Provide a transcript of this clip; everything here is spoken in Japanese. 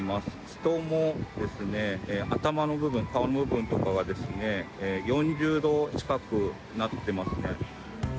人も頭の部分、顔の部分とかは４０度近くなってますね。